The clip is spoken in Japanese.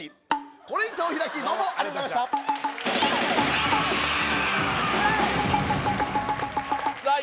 これにてお開きどうもありがとうございましたさあ